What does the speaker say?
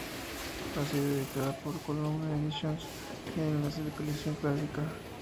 Ha sido editada por Columna Edicions en la colección Clásica.